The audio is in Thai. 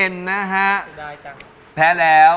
สถานีรถไฟไทย